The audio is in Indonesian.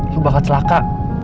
lo bakal celaka